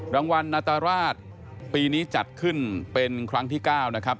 รางวัลนาตราชปีนี้จัดขึ้นเป็นครั้งที่๙นะครับ